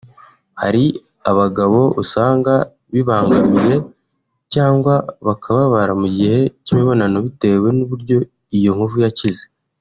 hari abagabo usanga bibangamiye cyangwa bakababara mu gihe cy’imibonano bitewe n’uburyo iyo nkovu yakize